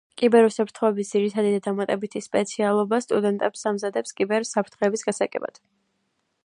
კიბერუსაფრთხოების ძირითადი და დამატებითი სპეციალობა სტუდენტებს ამზადებს კიბერ საფრთხეების გასაგებად